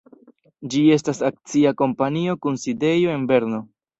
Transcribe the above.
Ĝi estas akcia kompanio kun sidejo en Berno.